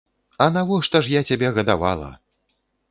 А навошта ж я цябе гадавала?